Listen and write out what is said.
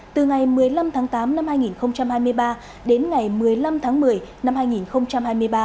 từ ngày một mươi năm tháng tám năm hai nghìn hai mươi ba đến ngày một mươi năm tháng một mươi năm hai nghìn hai mươi ba